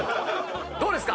どうですか？